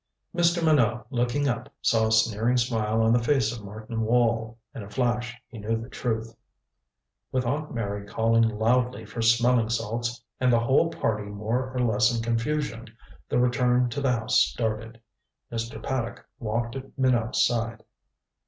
Mr. Minot, looking up, saw a sneering smile on the face of Martin Wall. In a flash he knew the truth. With Aunt Mary calling loudly for smelling salts, and the whole party more or less in confusion, the return to the house started. Mr. Paddock walked at Minot's side.